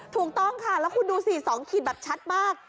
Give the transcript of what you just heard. ถูกต้องค่ะแล้วคุณดูสิ๒ขีดแบบชัดมาก